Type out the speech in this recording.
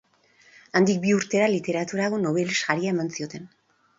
Handik bi urtera Literaturako Nobel saria eman zioten.